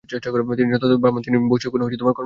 তিনিই যথার্থ ব্রাহ্মণ, যিনি বৈষয়িক কোন কর্ম করেন না।